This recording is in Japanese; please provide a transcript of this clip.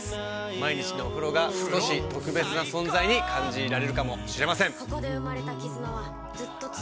毎日のお風呂が少し特別な存在に感じられるかもしれません。